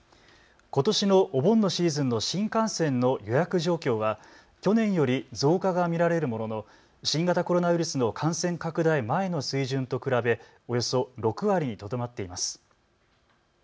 ことしのお盆のシーズンの新幹線の予約状況は去年より増加が見られるものの新型コロナウイルスの感染拡大前の水準と比べおよそ６割にとどまっています。